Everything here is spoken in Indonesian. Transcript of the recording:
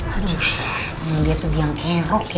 aduh emang dia tuh yang kerok ya